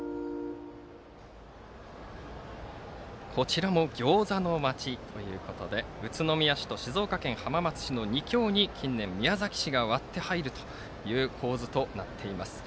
こちらもギョーザの街ということで宇都宮市と静岡県浜松市の２強に近年、宮崎市が割って入る構図となっています。